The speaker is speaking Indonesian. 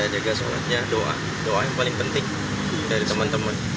jaga sholatnya doa doa yang paling penting dari teman teman